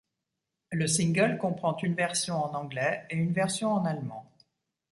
Le single comprend une version en anglais et une version en allemand.